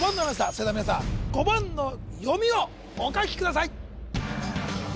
それでは皆さん５番の読みをお書きください